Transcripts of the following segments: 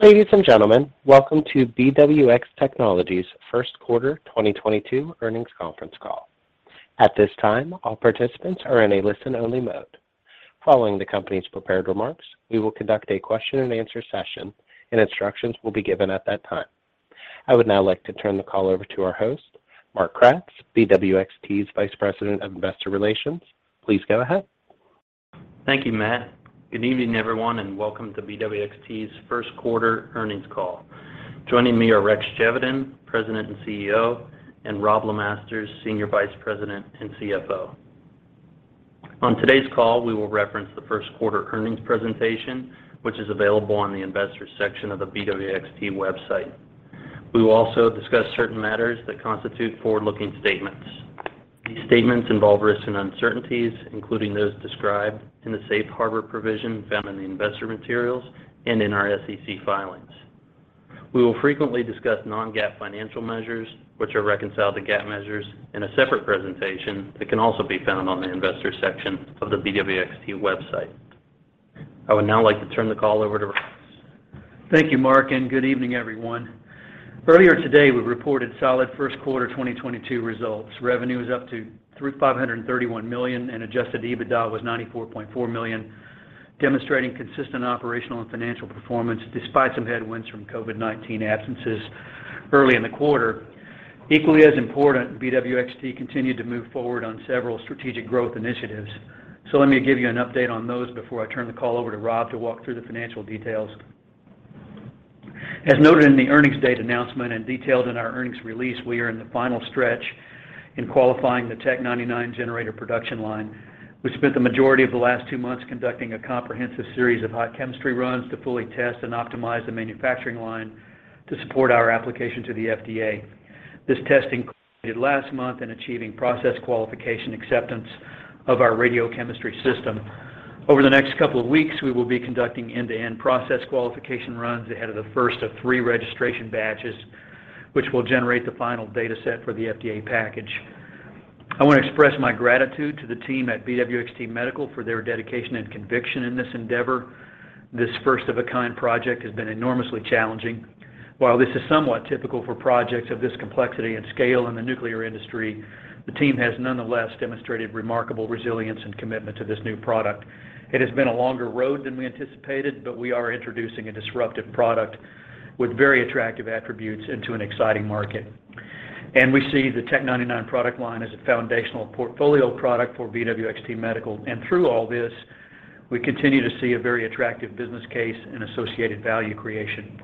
Ladies and gentlemen, welcome to BWX Technologies' First Quarter 2022 Earnings Conference Call. At this time, all participants are in a listen-only mode. Following the company's prepared remarks, we will conduct a question-and-answer session, and instructions will be given at that time. I would now like to turn the call over to our host, Mark Kratz, BWXT's Vice President of Investor Relations. Please go ahead. Thank you, Matt. Good evening, everyone, and welcome to BWXT's First Quarter Earnings Call. Joining me are Rex Geveden, President and CEO, and Robb LeMasters, Senior Vice President and CFO. On today's call, we will reference the first quarter earnings presentation, which is available on the Investors section of the BWXT website. We will also discuss certain matters that constitute forward-looking statements. These statements involve risks and uncertainties, including those described in the safe harbor provision found in the investor materials and in our SEC filings. We will frequently discuss non-GAAP financial measures, which are reconciled to GAAP measures in a separate presentation that can also be found on the Investors section of the BWXT website. I would now like to turn the call over to Rex. Thank you, Mark, and good evening, everyone. Earlier today, we reported solid First Quarter 2022 Results. Revenue was up to $531 million, and adjusted EBITDA was $94.4 million, demonstrating consistent operational and financial performance despite some headwinds from COVID-19 absences early in the quarter. Equally as important, BWXT continued to move forward on several strategic growth initiatives. Let me give you an update on those before I turn the call over to Rob to walk through the financial details. As noted in the earnings date announcement and detailed in our earnings release, we are in the final stretch in qualifying the Tech 99 generator production line. We spent the majority of the last two months conducting a comprehensive series of hot chemistry runs to fully test and optimize the manufacturing line to support our application to the FDA. This testing included last month in achieving process qualification acceptance of our radiochemistry system. Over the next couple of weeks, we will be conducting end-to-end process qualification runs ahead of the 1st of three registration batches, which will generate the final data set for the FDA package. I want to express my gratitude to the team at BWXT Medical for their dedication and conviction in this endeavor. This first-of-a-kind project has been enormously challenging. While this is somewhat typical for projects of this complexity and scale in the nuclear industry, the team has nonetheless demonstrated remarkable resilience and commitment to this new product. It has been a longer road than we anticipated, but we are introducing a disruptive product with very attractive attributes into an exciting market. We see the Tech 99 product line as a foundational portfolio product for BWXT Medical. Through all this, we continue to see a very attractive business case and associated value creation.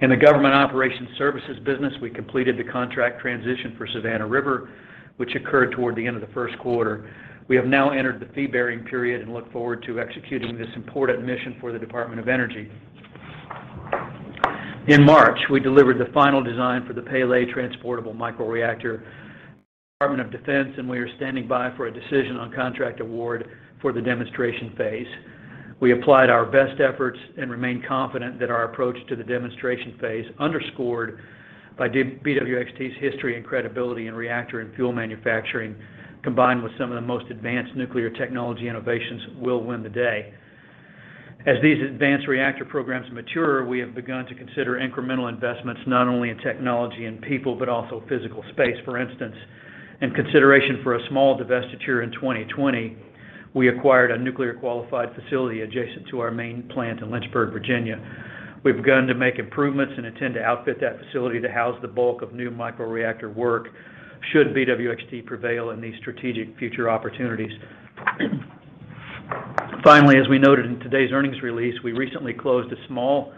In the government operations services business, we completed the contract transition for Savannah River, which occurred toward the end of the first quarter. We have now entered the fee-bearing period and look forward to executing this important mission for the Department of Energy. In March, we delivered the final design for the Pele transportable microreactor to the Department of Defense, and we are standing by for a decision on contract award for the demonstration phase. We applied our best efforts and remain confident that our approach to the demonstration phase, underscored by BWXT's history and credibility in reactor and fuel manufacturing, combined with some of the most advanced nuclear technology innovations, will win the day. As these advanced reactor programs mature, we have begun to consider incremental investments not only in technology and people, but also physical space. For instance, in consideration for a small divestiture in 2020, we acquired a nuclear-qualified facility adjacent to our main plant in Lynchburg, Virginia. We've begun to make improvements and intend to outfit that facility to house the bulk of new microreactor work should BWXT prevail in these strategic future opportunities. Finally, as we noted in today's earnings release, we recently closed a small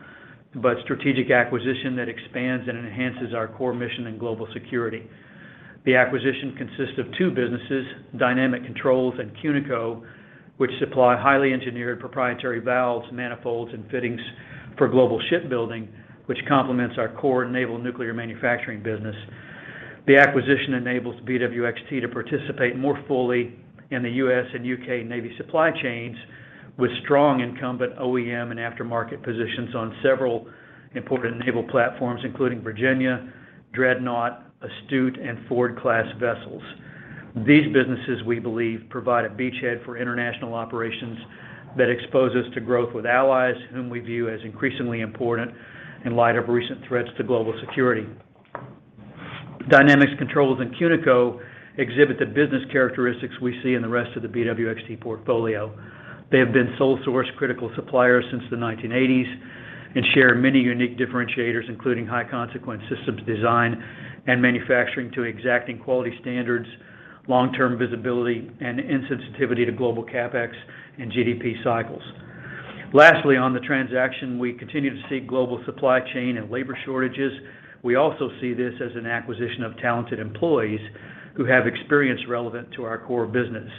but strategic acquisition that expands and enhances our core mission in global security. The acquisition consists of two businesses, Dynamic Controls and Cunico, which supply highly engineered proprietary valves, manifolds, and fittings for global shipbuilding, which complements our core naval nuclear manufacturing business. The acquisition enables BWXT to participate more fully in the U.S. U.K. Navy supply chains with strong incumbent OEM and aftermarket positions on several important naval platforms, including Virginia, Dreadnought, Astute, and Ford-class vessels. These businesses, we believe, provide a beachhead for international operations that expose us to growth with allies whom we view as increasingly important in light of recent threats to global security. Dynamic Controls and Cunico exhibit the business characteristics we see in the rest of the BWXT portfolio. They have been sole-source critical suppliers since the 1980s and share many unique differentiators, including high-consequence systems design and manufacturing to exacting quality standards, long-term visibility, and insensitivity to global CapEx and GDP cycles. Lastly, on the transaction, we continue to see global supply chain and labor shortages. We also see this as an acquisition of talented employees who have experience relevant to our core business.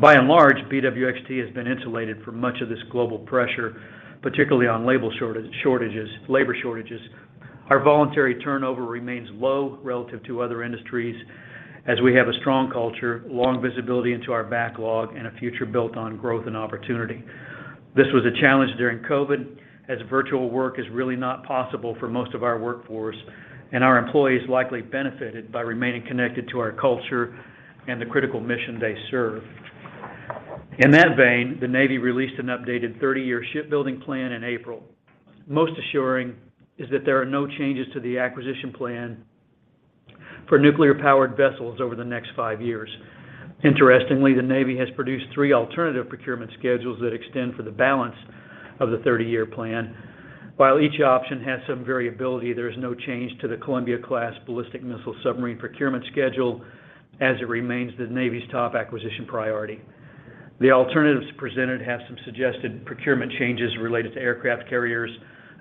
By and large, BWXT has been insulated from much of this global pressure, particularly on labor shortages. Our voluntary turnover remains low relative to other industries as we have a strong culture, long visibility into our backlog, and a future built on growth and opportunity. This was a challenge during COVID, as virtual work is really not possible for most of our workforce, and our employees likely benefited by remaining connected to our culture and the critical mission they serve. In that vein, the Navy released an updated 30-year shipbuilding plan in April. Most assuring is that there are no changes to the acquisition plan for nuclear-powered vessels over the next five years. Interestingly, the Navy has produced three alternative procurement schedules that extend for the balance of the 30-year plan. While each option has some variability, there is no change to the Columbia-class ballistic missile submarine procurement schedule, as it remains the Navy's top acquisition priority. The alternatives presented have some suggested procurement changes related to aircraft carriers,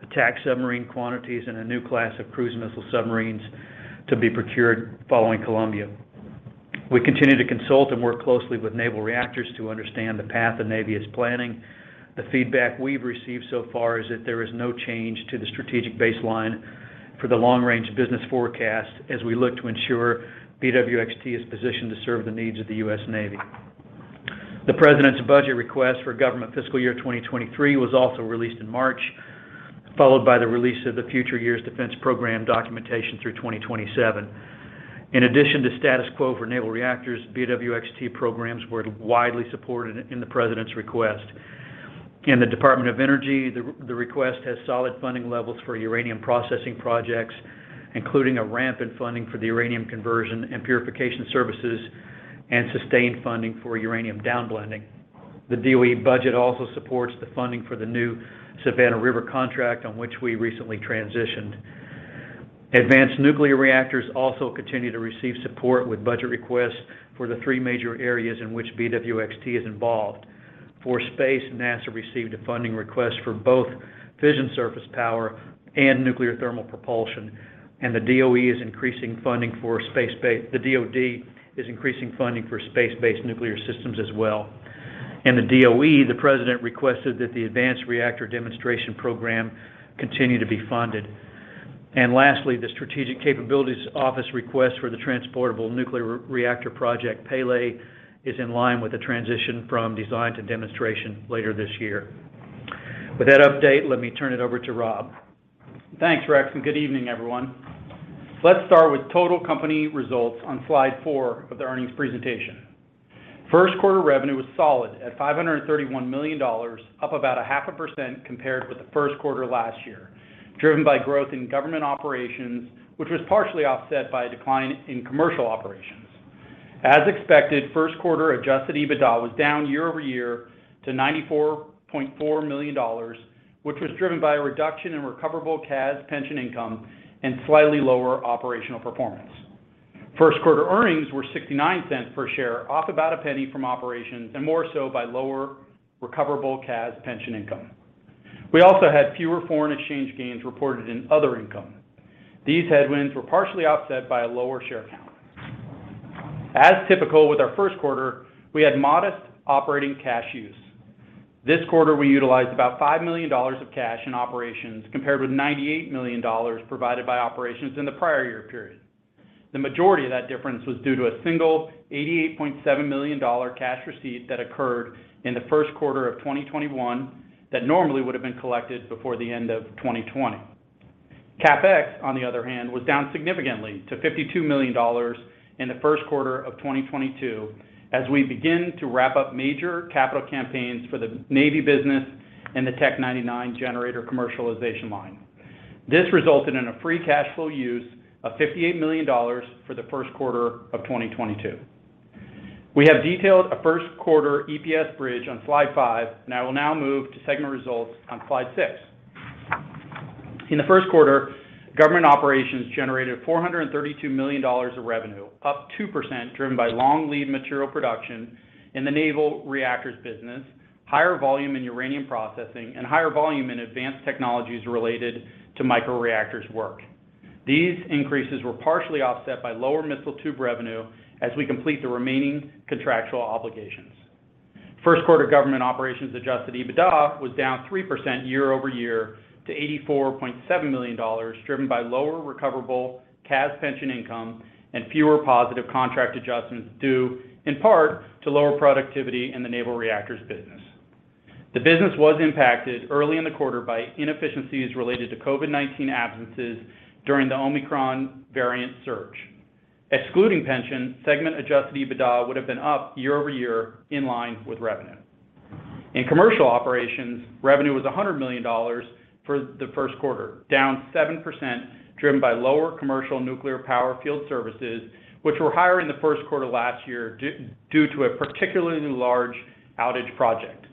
attack submarine quantities, and a new class of cruise missile submarines to be procured following Columbia. We continue to consult and work closely with Naval Reactors to understand the path the Navy is planning. The feedback we've received so far is that there is no change to the strategic baseline for the long-range business forecast as we look to ensure BWXT is positioned to serve the needs of the U.S. Navy. The President's budget request for government fiscal year 2023 was also released in March, followed by the release of the Future Years Defense Program documentation through 2027. In addition to status quo for naval reactors, BWXT programs were widely supported in the President's request. In the Department of Energy, the request has solid funding levels for uranium processing projects, including a ramp in funding for the uranium conversion and purification services and sustained funding for uranium downblending. The DOE budget also supports the funding for the new Savannah River contract on which we recently transitioned. Advanced nuclear reactors also continue to receive support with budget requests for the three major areas in which BWXT is involved. For space, NASA received a funding request for both fission surface power and nuclear thermal propulsion, and the DoD is increasing funding for space-based nuclear systems as well. In the DOE, the President requested that the Advanced Reactor Demonstration Program continue to be funded. Lastly, the Strategic Capabilities Office request for the transportable nuclear reactor project, Pele, is in line with the transition from design to demonstration later this year. With that update, let me turn it over to Rob. Thanks, Rex, and good evening, everyone. Let's start with total company results on slide four of the earnings presentation. First quarter revenue was solid at $531 million, up about 0.5% compared with the first quarter last year, driven by growth in government operations, which was partially offset by a decline in commercial operations. As expected, first quarter adjusted EBITDA was down year-over-year to $94.4 million, which was driven by a reduction in recoverable CAS pension income and slightly lower operational performance. First quarter earnings were $0.69 per share, off about $0.01 from operations and more so by lower recoverable CAS pension income. We also had fewer foreign exchange gains reported in other income. These headwinds were partially offset by a lower share count. As typical with our first quarter, we had modest operating cash use. This quarter, we utilized about $5 million of cash in operations, compared with $98 million provided by operations in the prior year period. The majority of that difference was due to a single $88.7 million cash receipt that occurred in the first quarter of 2021 that normally would have been collected before the end of 2020. CapEx, on the other hand, was down significantly to $52 million in the first quarter of 2022 as we begin to wrap up major capital campaigns for the Navy business and the Tech 99 generator commercialization line. This resulted in a free cash flow use of $58 million for the first quarter of 2022. We have detailed a first quarter EPS bridge on slide five, and I will now move to segment results on slide six. In the first quarter, government operations generated $432 million of revenue, up 2%, driven by long lead material production in the naval reactors business, higher volume in uranium processing, and higher volume in advanced technologies related to microreactors work. These increases were partially offset by lower missile tube revenue as we complete the remaining contractual obligations. First quarter government operations adjusted EBITDA was down 3% year-over-year to $84.7 million, driven by lower recoverable CAS pension income and fewer positive contract adjustments due, in part, to lower productivity in the naval reactors business. The business was impacted early in the quarter by inefficiencies related to COVID-19 absences during the Omicron variant surge. Excluding pension, segment adjusted EBITDA would have been up year-over-year in line with revenue. In commercial operations, revenue was $100 million for the first quarter, down 7%, driven by lower commercial nuclear power field services, which were higher in the first quarter last year due to a particularly large outage project.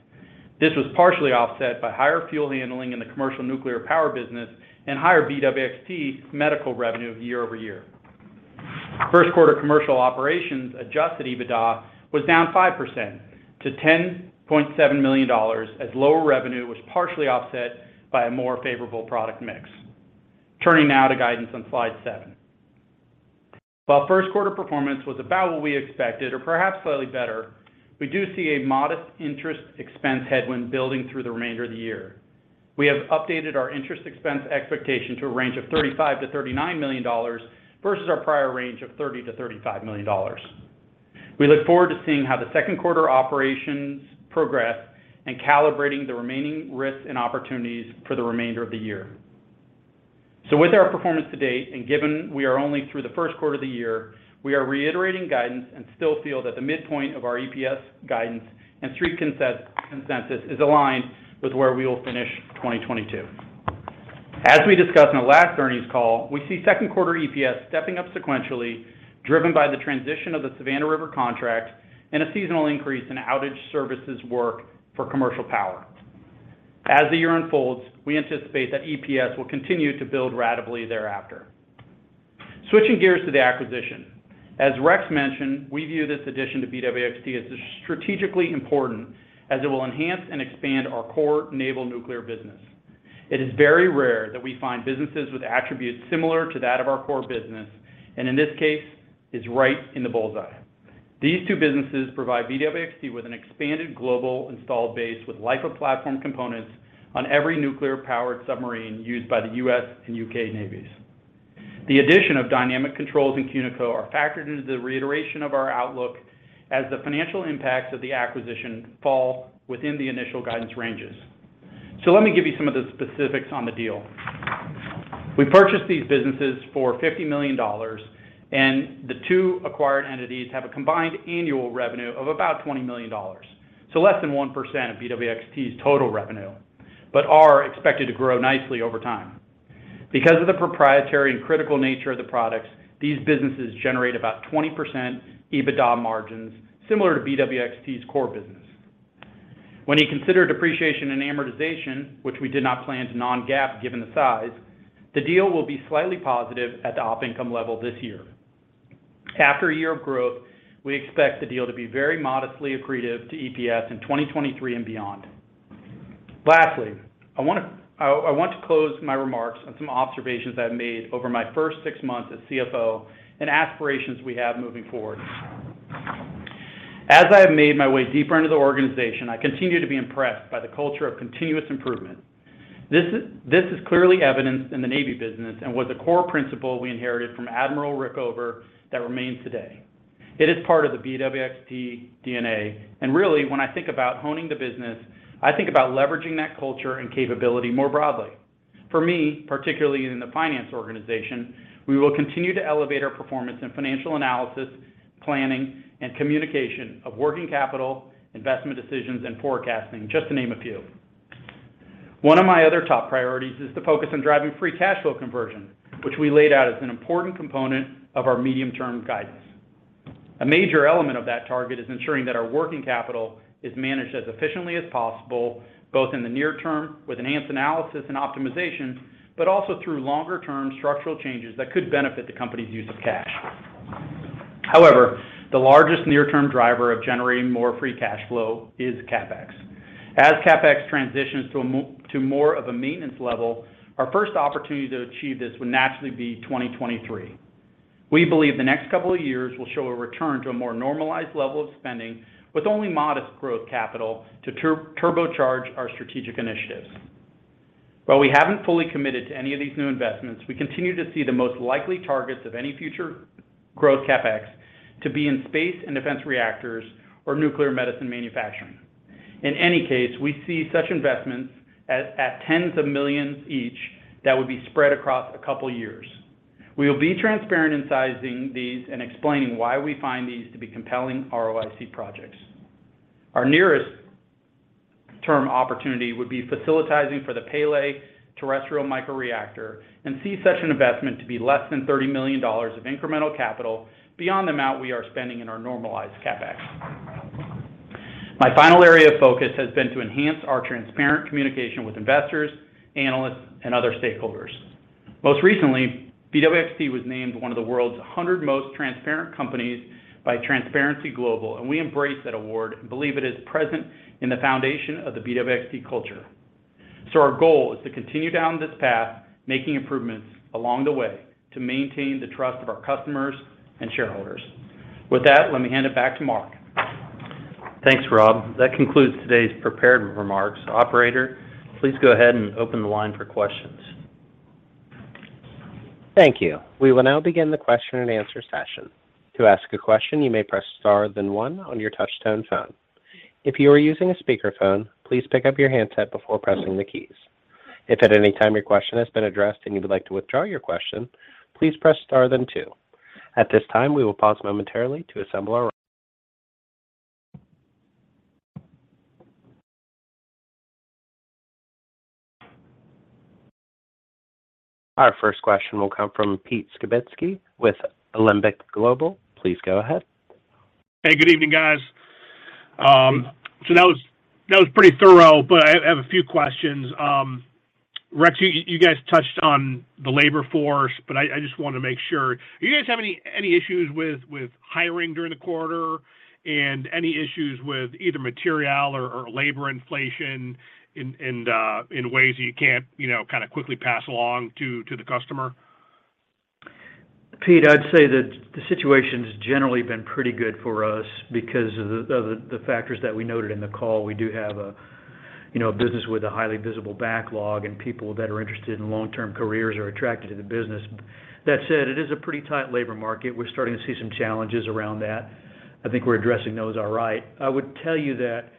This was partially offset by higher fuel handling in the commercial nuclear power business and higher BWXT Medical revenue year-over-year. First quarter commercial operations adjusted EBITDA was down 5% to $10.7 million, as lower revenue was partially offset by a more favorable product mix. Turning now to guidance on slide 7. While first quarter performance was about what we expected or perhaps slightly better, we do see a modest interest expense headwind building through the remainder of the year. We have updated our interest expense expectation to a range of $35 million-$39 million versus our prior range of $30 million-$35 million. We look forward to seeing how the second quarter operations progress and calibrating the remaining risks and opportunities for the remainder of the year. With our performance to date, and given we are only through the first quarter of the year, we are reiterating guidance and still feel that the midpoint of our EPS guidance and street consensus is aligned with where we will finish 2022. As we discussed in our last earnings call, we see second quarter EPS stepping up sequentially, driven by the transition of the Savannah River contract and a seasonal increase in outage services work for commercial power. As the year unfolds, we anticipate that EPS will continue to build ratably thereafter. Switching gears to the acquisition. As Rex mentioned, we view this addition to BWXT as strategically important as it will enhance and expand our core naval nuclear business. It is very rare that we find businesses with attributes similar to that of our core business, and in this case, it's right in the bullseye. These two businesses provide BWXT with an expanded global installed base with life-of-platform components on every nuclear-powered submarine used by the U.S. and U.K. navies. The addition of Dynamic Controls and Cunico are factored into the reiteration of our outlook as the financial impacts of the acquisition fall within the initial guidance ranges. Let me give you some of the specifics on the deal. We purchased these businesses for $50 million, and the two acquired entities have a combined annual revenue of about $20 million. Less than 1% of BWXT's total revenue, but are expected to grow nicely over time. Because of the proprietary and critical nature of the products, these businesses generate about 20% EBITDA margins, similar to BWXT's core business. When you consider depreciation and amortization, which we did not plan to non-GAAP given the size, the deal will be slightly positive at the op income level this year. After a year of growth, we expect the deal to be very modestly accretive to EPS in 2023 and beyond. Lastly, I want to close my remarks on some observations I've made over my first six months as CFO and aspirations we have moving forward. As I have made my way deeper into the organization, I continue to be impressed by the culture of continuous improvement. This is clearly evidenced in the Navy business and was a core principle we inherited from Admiral Rickover that remains today. It is part of the BWXT DNA, and really, when I think about honing the business, I think about leveraging that culture and capability more broadly. For me, particularly in the finance organization, we will continue to elevate our performance in financial analysis, planning, and communication of working capital, investment decisions, and forecasting, just to name a few. One of my other top priorities is to focus on driving free cash flow conversion, which we laid out as an important component of our medium-term guidance. A major element of that target is ensuring that our working capital is managed as efficiently as possible, both in the near term with enhanced analysis and optimization, but also through longer-term structural changes that could benefit the company's use of cash. However, the largest near-term driver of generating more free cash flow is CapEx. As CapEx transitions to more of a maintenance level, our first opportunity to achieve this would naturally be 2023. We believe the next couple of years will show a return to a more normalized level of spending with only modest growth capital to turbocharge our strategic initiatives. While we haven't fully committed to any of these new investments, we continue to see the most likely targets of any future growth CapEx to be in space and defense reactors or nuclear medicine manufacturing. In any case, we see such investments as $10s of millions each that would be spread across a couple years. We will be transparent in sizing these and explaining why we find these to be compelling ROIC projects. Our nearest term opportunity would be facilitizing for the Pele terrestrial microreactor and see such an investment to be less than $30 million of incremental capital beyond the amount we are spending in our normalized CapEx. My final area of focus has been to enhance our transparent communication with investors, analysts, and other stakeholders. Most recently, BWXT was named one of the world's 100 most transparent companies by Transparency Global, and we embrace that award and believe it is present in the foundation of the BWXT culture. Our goal is to continue down this path, making improvements along the way to maintain the trust of our customers and shareholders. With that, let me hand it back to Mark. Thanks, Rob. That concludes today's prepared remarks. Operator, please go ahead and open the line for questions. Thank you. We will now begin the question and answer session. To ask a question, you may press star, then one on your touch-tone phone. If you are using a speakerphone, please pick up your handset before pressing the keys. If at any time your question has been addressed and you would like to withdraw your question, please press star then two. At this time, we will pause momentarily. Our first question will come from Pete Skibitski with Alembic Global. Please go ahead. Hey, good evening guys. That was pretty thorough. I have a few questions. Rex, you guys touched on the labor force. I just wanna make sure. Do you guys have any issues with hiring during the quarter and any issues with either material or labor inflation in ways that you can't you know kind of quickly pass along to the customer? Pete, I'd say that the situation's generally been pretty good for us because of the factors that we noted in the call. We do have you know a business with a highly visible backlog, and people that are interested in long-term careers are attracted to the business. That said, it is a pretty tight labor market. We're starting to see some challenges around that. I think we're addressing those all right. I would tell you that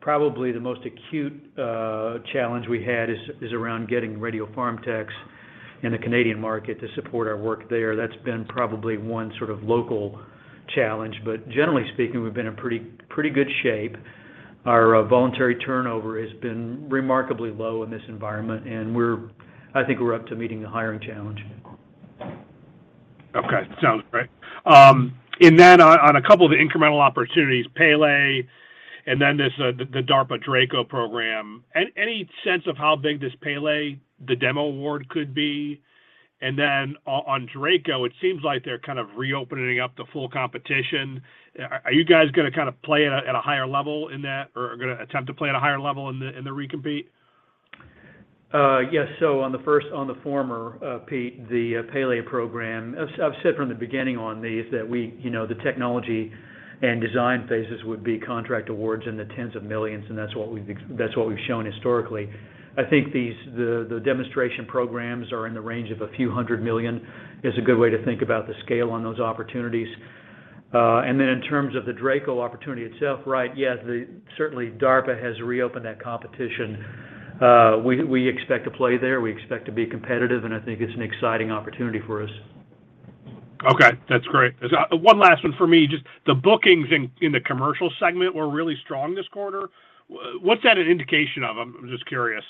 probably the most acute challenge we had is around getting radiopharm techs in the Canadian market to support our work there. That's been probably one sort of local challenge. Generally speaking, we've been in pretty good shape. Our voluntary turnover has been remarkably low in this environment, and we're, I think we're up to meeting the hiring challenge. Okay. Sounds great. On a couple of the incremental opportunities, Pele, and then there's the DARPA DRACO program. Any sense of how big this Pele, the demo award could be? On DRACO, it seems like they're kind of reopening up the full competition. Are you guys gonna kind of play at a higher level in that or are gonna attempt to play at a higher level in the recompete? Yes. On the former, Pete, the Pele program, I've said from the beginning on these that we, you know, the technology and design phases would be contract awards in the tens of millions, and that's what we've shown historically. I think these, the demonstration programs are in the range of a few hundred million, is a good way to think about the scale on those opportunities. Then in terms of the DRACO opportunity itself, certainly DARPA has reopened that competition. We expect to play there. We expect to be competitive, and I think it's an exciting opportunity for us. Okay, that's great. There's one last one for me. Just the bookings in the commercial segment were really strong this quarter. What's that an indication of? I'm just curious.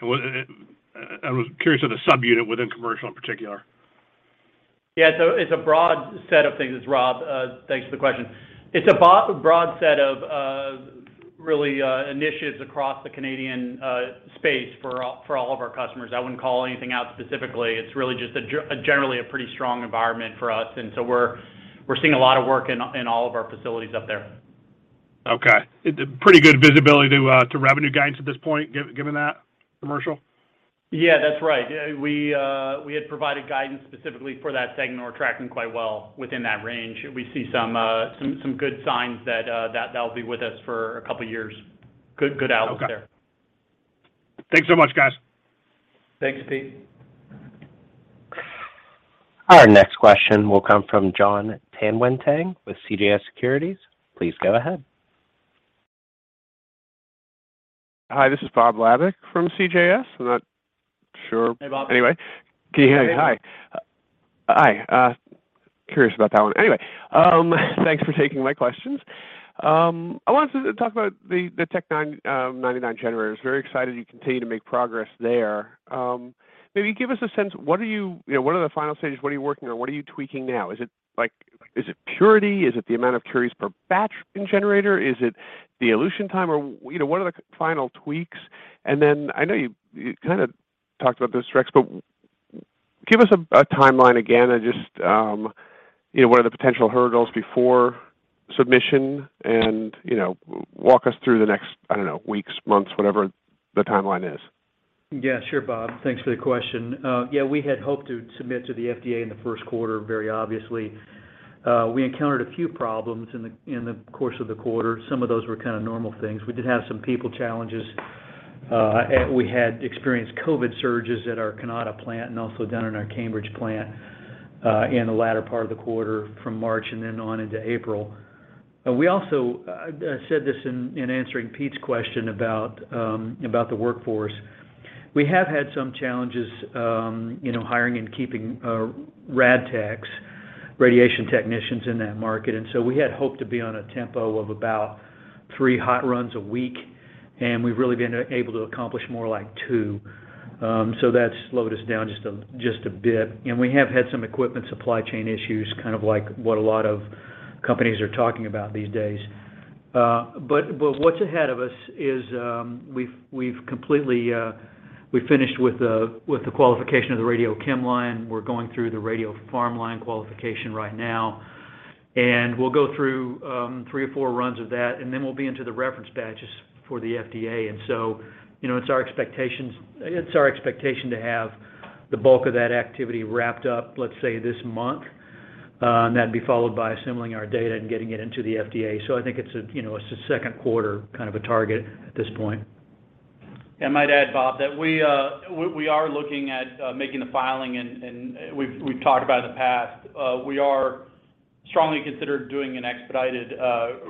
I was curious of the subunit within commercial in particular. It's a broad set of things. It's Rob, thanks for the question. It's a broad set of really initiatives across the Canadian space for all of our customers. I wouldn't call anything out specifically. It's really just a generally pretty strong environment for us. We're seeing a lot of work in all of our facilities up there. Okay. Pretty good visibility to revenue guidance at this point, given that commercial? Yeah, that's right. We had provided guidance specifically for that segment. We're tracking quite well within that range. We see some good signs that that'll be with us for a couple years. Good outlook there. Okay. Thanks so much, guys. Thanks, Pete. Our next question will come from Jonathan Tanwanteng with CJS Securities. Please go ahead. Hi, this is Bob Labick from CJS. I'm not sure. Hey, Bob. Anyway. Can you hear me? Hi. Hi, curious about that one. Anyway, thanks for taking my questions. I wanted to talk about the Tech 99 generators. Very excited you continue to make progress there. Maybe give us a sense, what are you know, what are the final stages? What are you working on? What are you tweaking now? Is it like, is it purity? Is it the amount of curies per batch in generator? Is it the elution time or, you know, what are the final tweaks? I know you kinda talked about this, Rex, but give us a timeline again and just, you know, what are the potential hurdles before submission? You know, walk us through the next, I don't know, weeks, months, whatever the timeline is. Yeah, sure, Bob. Thanks for the question. Yeah, we had hoped to submit to the FDA in the first quarter, very obviously. We encountered a few problems in the course of the quarter. Some of those were kinda normal things. We did have some people challenges, and we had experienced COVID surges at our Kanata plant and also down in our Cambridge plant, in the latter part of the quarter from March and then on into April. We also said this in answering Pete's question about the workforce. We have had some challenges, you know, hiring and keeping Rad Techs, radiation technicians in that market. We had hoped to be on a tempo of about three hot runs a week, and we've really been able to accomplish more like two. That's slowed us down just a bit. We have had some equipment supply chain issues, kind of like what a lot of companies are talking about these days. What's ahead of us is we've completely finished with the qualification of the radiochem line. We're going through the radiopharm line qualification right now. We'll go through three or four runs of that, and then we'll be into the reference batches for the FDA. You know, it's our expectation to have the bulk of that activity wrapped up, let's say, this month. That'd be followed by assembling our data and getting it into the FDA. I think it's, you know, a second quarter kind of target at this point. I might add, Bob, that we are looking at making the filing and we've talked about it in the past. We are strongly considering doing an expedited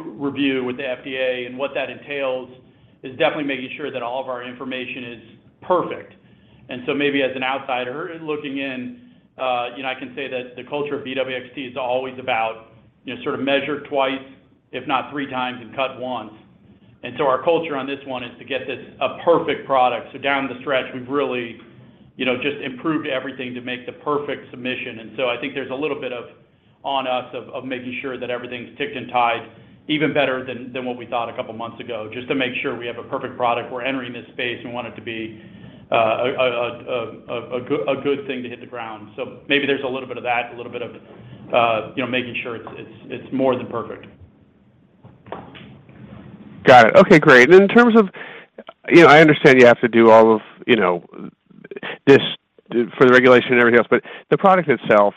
review with the FDA, and what that entails is definitely making sure that all of our information is perfect. Maybe as an outsider looking in, you know, I can say that the culture of BWXT is always about, you know, sort of measure twice, if not three times, and cut once. Our culture on this one is to get this a perfect product. Down the stretch, we've really, you know, just improved everything to make the perfect submission. I think there's a little bit of an onus of making sure that everything's ticked and tied even better than what we thought a couple months ago, just to make sure we have a perfect product. We're entering this space, we want it to be a good thing to hit the ground. Maybe there's a little bit of that, a little bit of you know, making sure it's more than perfect. Got it. Okay, great. In terms of, you know, I understand you have to do all of, you know, this for the regulation and everything else, but the product itself,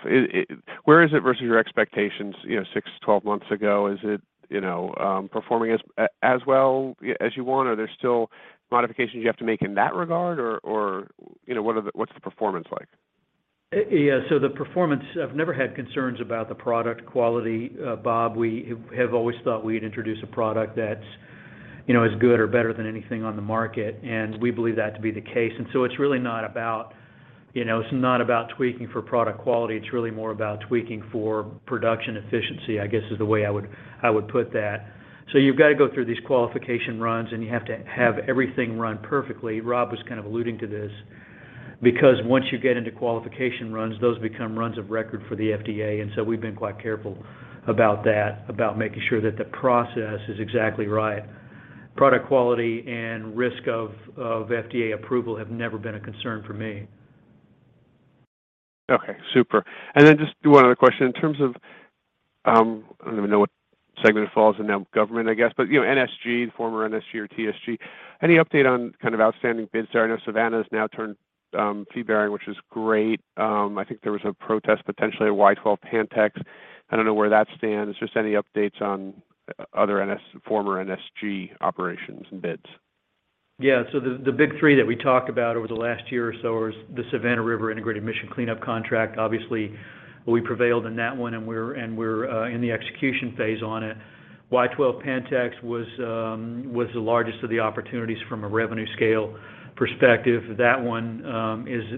where is it versus your expectations, you know, six, 12 months ago? Is it, you know, performing as well as you want? Are there still modifications you have to make in that regard? You know, what's the performance like? Yeah. The performance, I've never had concerns about the product quality, Bob. We have always thought we'd introduce a product that's, you know, as good or better than anything on the market, and we believe that to be the case. It's really not about, you know, it's not about tweaking for product quality, it's really more about tweaking for production efficiency, I guess, is the way I would put that. You've got to go through these qualification runs, and you have to have everything run perfectly. Robb was kind of alluding to this. Because once you get into qualification runs, those become runs of record for the FDA, and so we've been quite careful about that, about making sure that the process is exactly right. Product quality and risk of FDA approval have never been a concern for me. Okay, super. Just do one other question. In terms of, I don't even know what segment it falls in now, government, I guess, but NSG, former NSG or TSG, any update on kind of outstanding bids there? I know Savannah's now turned fee bearing, which is great. I think there was a protest potentially at Y-12/Pantex. I don't know where that stands. Just any updates on other former NSG operations and bids. Yeah. The big three that we talked about over the last year or so was the Savannah River Site Integrated Mission Completion Contract. Obviously, we prevailed in that one, and we're in the execution phase on it. Y-12/Pantex was the largest of the opportunities from a revenue scale perspective. That one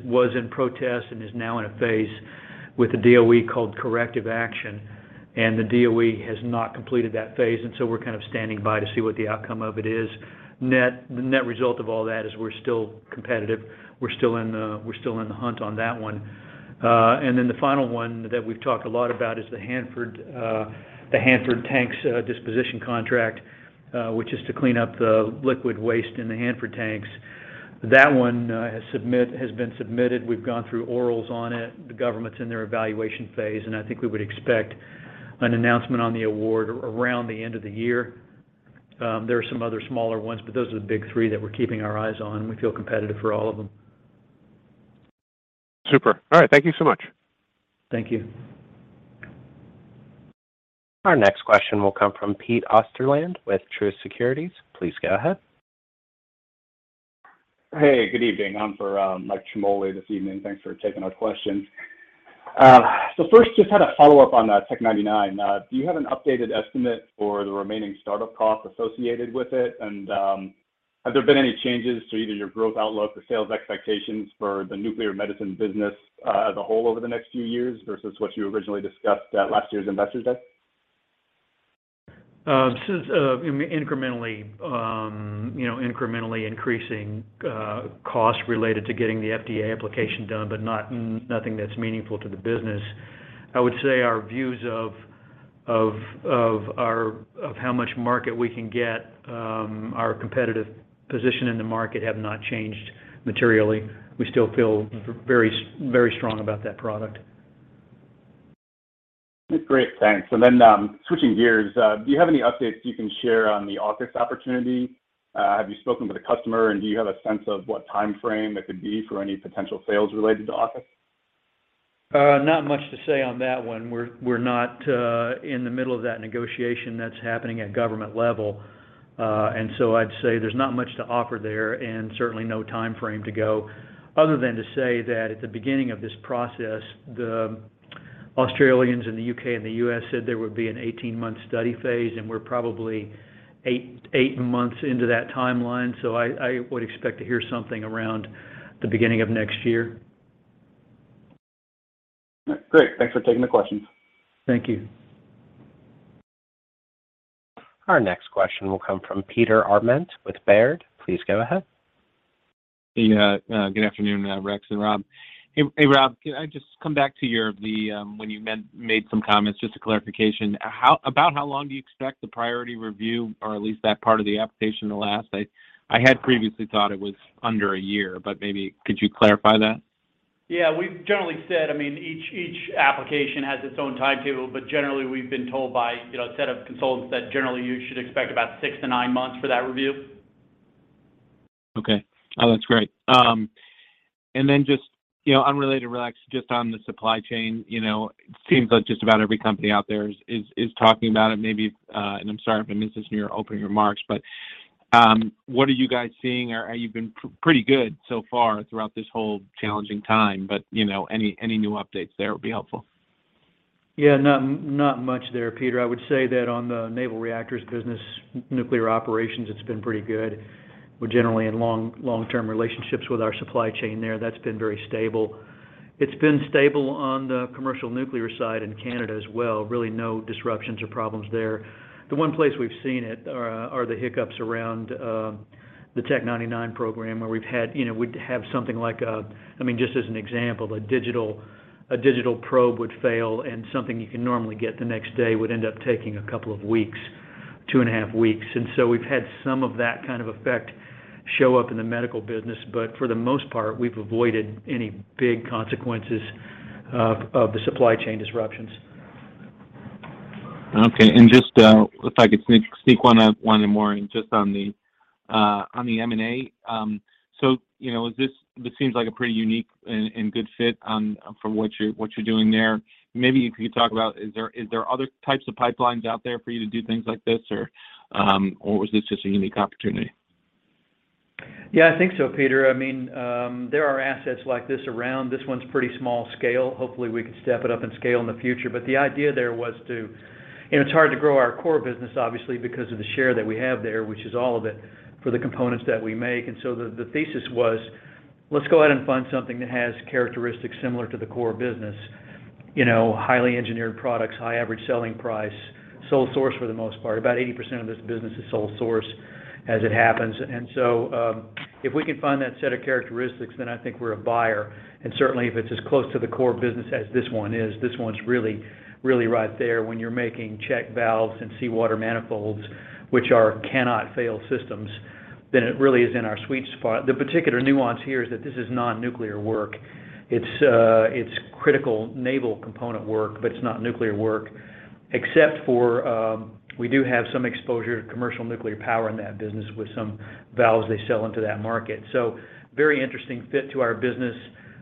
was in protest and is now in a phase with the DOE called corrective action, and the DOE has not completed that phase, and we're kind of standing by to see what the outcome of it is. The net result of all that is we're still competitive. We're still in the hunt on that one. The final one that we've talked a lot about is the Hanford Tanks Disposition Contract, which is to clean up the liquid waste in the Hanford tanks. That one has been submitted. We've gone through orals on it. The government's in their evaluation phase, and I think we would expect an announcement on the award around the end of the year. There are some other smaller ones, but those are the big three that we're keeping our eyes on. We feel competitive for all of them. Super. All right. Thank you so much. Thank you. Our next question will come from Pete Osterland with Truist Securities. Please go ahead. Hey, good evening. I'm Mike Ciarmoli this evening. Thanks for taking our questions. First, just had a follow-up on Tech 99. Do you have an updated estimate for the remaining start-up costs associated with it? Have there been any changes to either your growth outlook or sales expectations for the nuclear medicine business as a whole over the next few years versus what you originally discussed at last year's Investors Day? This is incrementally increasing costs related to getting the FDA application done, but not nothing that's meaningful to the business. I would say our views of how much market we can get, our competitive position in the market have not changed materially. We still feel very strong about that product. That's great. Thanks. Switching gears, do you have any updates you can share on the AUKUS opportunity? Have you spoken with the customer, and do you have a sense of what timeframe that could be for any potential sales related to AUKUS? Not much to say on that one. We're not in the middle of that negotiation. That's happening at government level. I'd say there's not much to offer there and certainly no timeframe to go, other than to say that at the beginning of this process, the Australians and the U.K. and the U.S. said there would be an 18-month study phase, and we're probably eight months into that timeline. I would expect to hear something around the beginning of next year. Great. Thanks for taking the questions. Thank you. Our next question will come from Peter Arment with Baird. Please go ahead. Yeah. Good afternoon, Rex and Rob. Hey, Rob, can I just come back to the when you made some comments, just a clarification. How about how long do you expect the priority review, or at least that part of the application to last? I had previously thought it was under a year, but maybe could you clarify that? Yeah. We've generally said, I mean, each application has its own timetable, but generally we've been told by, you know, a set of consultants that generally you should expect about six to nine months for that review. Okay. Oh, that's great. Just, you know, unrelated, Rex, just on the supply chain, you know, it seems like just about every company out there is talking about it. Maybe, I'm sorry if I missed this in your opening remarks, but what are you guys seeing? You've been pretty good so far throughout this whole challenging time, but, you know, any new updates there would be helpful. Yeah. Not much there, Peter. I would say that on the naval reactors business nuclear operations, it's been pretty good. We're generally in long-term relationships with our supply chain there. That's been very stable. It's been stable on the commercial nuclear side in Canada as well. Really no disruptions or problems there. The one place we've seen it are the hiccups around the Tech 99 program, where we've had, you know, we'd have something like, I mean, just as an example, a digital probe would fail and something you can normally get the next day would end up taking a couple of weeks, 2.5 weeks. We've had some of that kind of effect show up in the medical business. For the most part, we've avoided any big consequences of the supply chain disruptions. Okay. Just if I could sneak one more in just on the M&A. You know, this seems like a pretty unique and good fit for what you're doing there. Maybe if you could talk about, is there other types of pipelines out there for you to do things like this or was this just a unique opportunity? Yeah, I think so, Peter. I mean, there are assets like this around. This one's pretty small scale. Hopefully, we can step it up in scale in the future. The idea there was to you know, it's hard to grow our core business, obviously, because of the share that we have there, which is all of it, for the components that we make. The thesis was, let's go out and find something that has characteristics similar to the core business. You know, highly engineered products, high average selling price, sole source for the most part. About 80% of this business is sole source as it happens. If we can find that set of characteristics, then I think we're a buyer, and certainly if it's as close to the core business as this one is. This one's really, really right there. When you're making check valves and seawater manifolds, which are cannot fail systems, then it really is in our sweet spot. The particular nuance here is that this is non-nuclear work. It's critical naval component work, but it's not nuclear work. Except for, we do have some exposure to commercial nuclear power in that business with some valves they sell into that market. Very interesting fit to our business.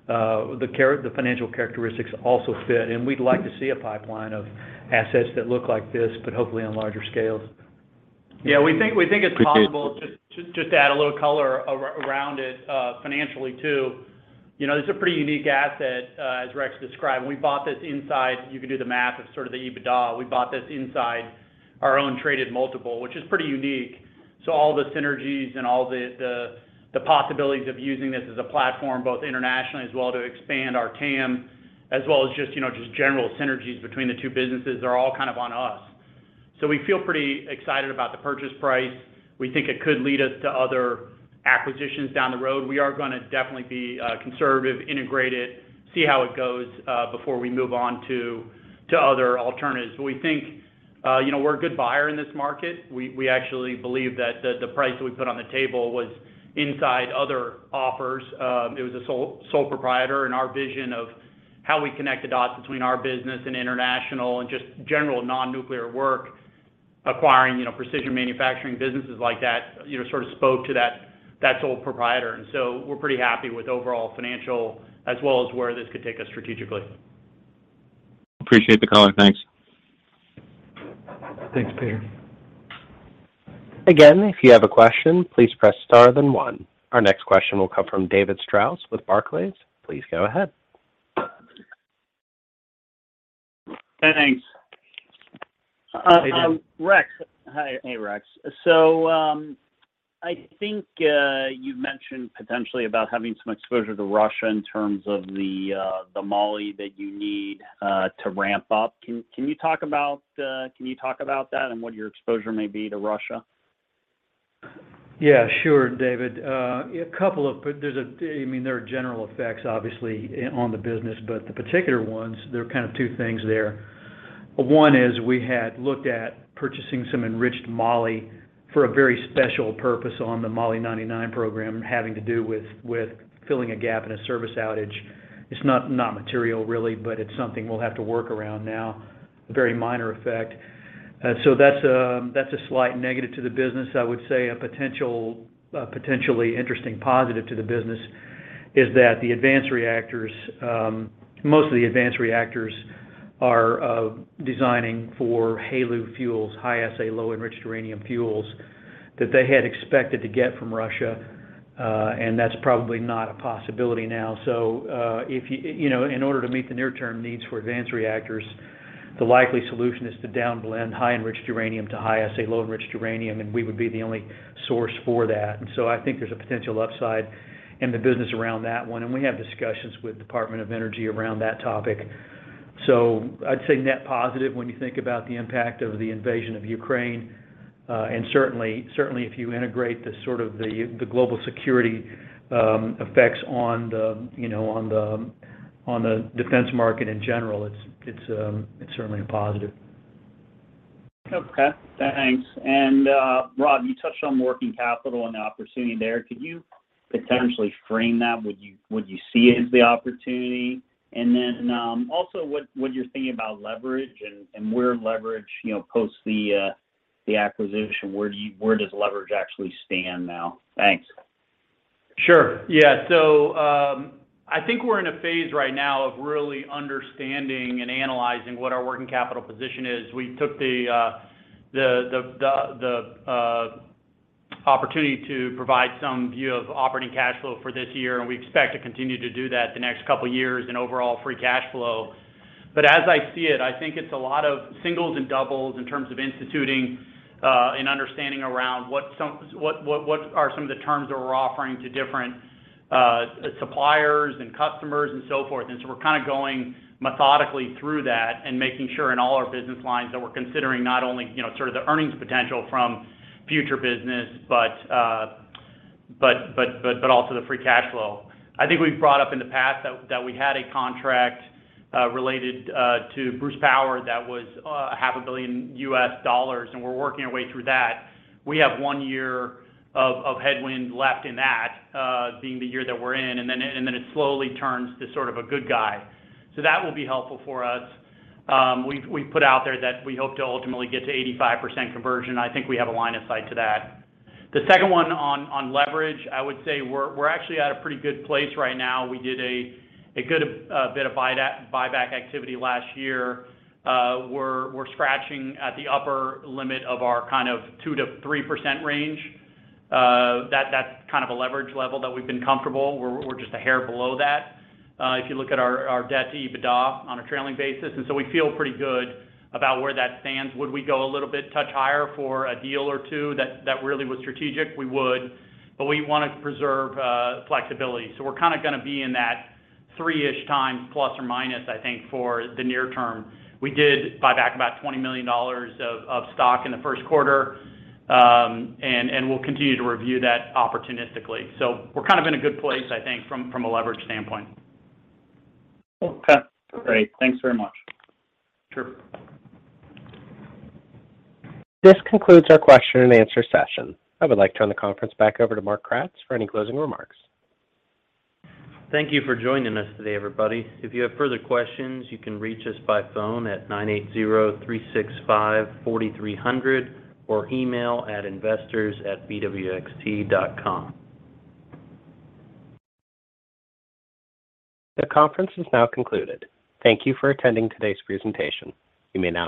The financial characteristics also fit, and we'd like to see a pipeline of assets that look like this, but hopefully on larger scales. Yeah, we think it's possible. Just to add a little color around it, financially too. You know, this is a pretty unique asset, as Rex described. When we bought this inside, you can do the math of sort of the EBITDA. We bought this inside our own traded multiple, which is pretty unique. So all the synergies and all the possibilities of using this as a platform, both internationally as well to expand our TAM, as well as just, you know, general synergies between the two businesses are all kind of on us. So we feel pretty excited about the purchase price. We think it could lead us to other acquisitions down the road. We are gonna definitely be conservative, integrate it, see how it goes, before we move on to other alternatives. We think, you know, we're a good buyer in this market. We actually believe that the price that we put on the table was inside other offers. It was a sole proprietor, and our vision of how we connect the dots between our business and international and just general non-nuclear work, acquiring, you know, precision manufacturing businesses like that, you know, sort of spoke to that sole proprietor. We're pretty happy with overall financial as well as where this could take us strategically. Appreciate the color. Thanks. Thanks, Peter. Again, if you have a question, please press star then one. Our next question will come from David Strauss with Barclays. Please go ahead. Thanks. Hey, David. Rex. Hi. Hey, Rex. I think you've mentioned potentially about having some exposure to Russia in terms of the moly that you need to ramp up. Can you talk about that and what your exposure may be to Russia? Yeah, sure, David. I mean, there are general effects obviously on the business, but the particular ones, there are kind of two things there. One is we had looked at purchasing some enriched moly for a very special purpose on the Mo-99 program, having to do with filling a gap in a service outage. It's not material really, but it's something we'll have to work around now. A very minor effect. So that's a slight negative to the business. I would say a potential, potentially interesting positive to the business is that the advanced reactors, most of the advanced reactors are designing for HALEU fuels, high assay, low enriched uranium fuels that they had expected to get from Russia, and that's probably not a possibility now. If you know, in order to meet the near-term needs for advanced reactors, the likely solution is to downblend highly enriched uranium to high assay low enriched uranium, and we would be the only source for that. I think there's a potential upside in the business around that one, and we have discussions with Department of Energy around that topic. I'd say net positive when you think about the impact of the invasion of Ukraine. Certainly if you integrate the sort of global security effects on the you know, on the defense market in general, it's certainly a positive. Okay. Thanks. Rob, you touched on working capital and the opportunity there. Could you potentially frame that? Would you see it as the opportunity? And then, also what you're thinking about leverage and where leverage, you know, post the acquisition, where does leverage actually stand now? Thanks. Sure. Yeah. I think we're in a phase right now of really understanding and analyzing what our working capital position is. We took the opportunity to provide some view of operating cash flow for this year, and we expect to continue to do that the next couple years in overall free cash flow. But as I see it, I think it's a lot of singles and doubles in terms of instituting and understanding around what some of the terms that we're offering to different suppliers and customers and so forth. We're kind of going methodically through that and making sure in all our business lines that we're considering not only, you know, sort of the earnings potential from future business, but also the free cash flow. I think we've brought up in the past that we had a contract related to Bruce Power that was half a billion U.S. dollars, and we're working our way through that. We have one year of headwind left in that, being the year that we're in, and then it slowly turns to sort of a good guy. That will be helpful for us. We've put out there that we hope to ultimately get to 85% conversion. I think we have a line of sight to that. The second one on leverage, I would say we're actually at a pretty good place right now. We did a good bit of buyback activity last year. We're scratching at the upper limit of our kind of 2%-3% range. That's kind of a leverage level that we've been comfortable. We're just a hair below that, if you look at our debt to EBITDA on a trailing basis, and we feel pretty good about where that stands. Would we go a little bit too high for a deal or two that really was strategic? We would, but we wanna preserve flexibility. We're kind of gonna be in that three-ish times ±, I think, for the near term. We did buy back about $20 million of stock in the first quarter, and we'll continue to review that opportunistically. We're kind of in a good place, I think, from a leverage standpoint. Okay. Great. Thanks very much. Sure. This concludes our question and answer session. I would like to turn the conference back over to Mark Kratz for any closing remarks. Thank you for joining us today, everybody. If you have further questions, you can reach us by phone at 980-365-4300 or email at investors@bwxt.com. The conference is now concluded. Thank you for attending today's presentation. You may now.